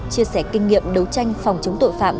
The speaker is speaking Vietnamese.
chia sẻ kinh nghiệm đấu tranh phòng chống tội phạm